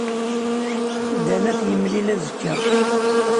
Dan ad t-yemlil azekka.